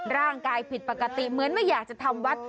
ร่างกายผิดปกติเหมือนไม่อยากจะทำวัด